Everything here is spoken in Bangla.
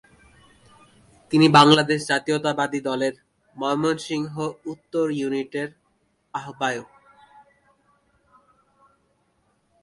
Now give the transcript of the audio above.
তিনি বাংলাদেশ জাতীয়তাবাদী দলের ময়মনসিংহ উত্তর ইউনিটের আহ্বায়ক।